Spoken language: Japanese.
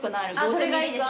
それがいいです。